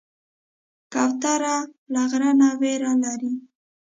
کوتره له غره نه ویره لري.